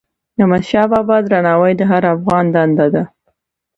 د احمدشاه بابا درناوی د هر افغان دنده ده.